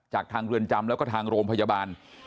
จากทางเรือนจำแล้วก็ทางโรงพยาบาล